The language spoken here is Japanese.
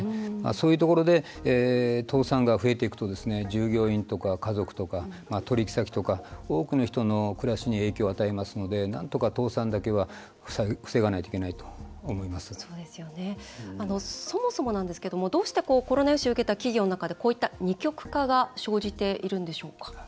そういうところで倒産が増えていくと従業員とか家族とか、取引先とか多くの人の暮らしに影響を与えますのでなんとか倒産だけは防がないととそもそもなんですがどうしてもコロナ融資を受けた企業の中でこういった二極化が生じているんでしょうか。